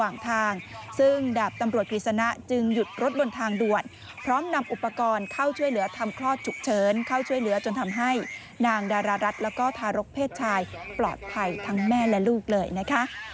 นางดารารัฐและก็ทารกเพศชายปลอดภัยทั้งแม่และลูกเลยนะคะ